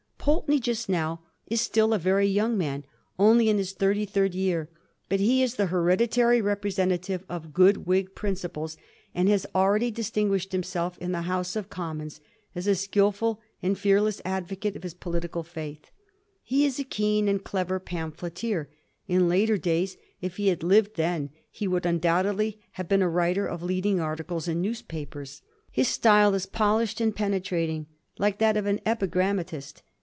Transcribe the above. Pulteney, just now, is still a very young man, only in his thirty third year ; but he is the hereditary representative of good Whig principles, and has already distinguished him self in the House of Commons as a skilful and fear less advocate of his political faith ; he is a keen and clever pamphleteer ; in later days, if he had lived then, he would doubtless have been a writer of lead ing articles in newspapers. His style is polished and penetrating, like that of an epigrammatist.